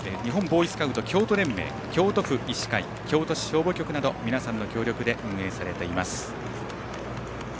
普通科連隊日本ボーイスカウト京都連盟京都府医師会、京都市消防局など皆さんの協力で運営されています。